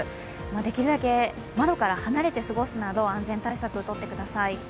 できるだけ窓から離れて過ごすなど、安全対策取ってください。